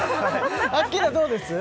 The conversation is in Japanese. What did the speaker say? アッキーナどうです？